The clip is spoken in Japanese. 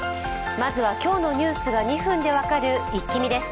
まずは今日のニュースが２分で分かるイッキ見です。